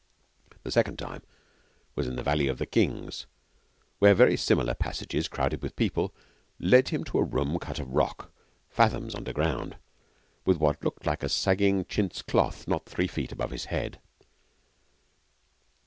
The second time was in the Valley of the Kings, where very similar passages, crowded with people, led him into a room cut of rock, fathoms underground, with what looked like a sagging chintz cloth not three feet above his head.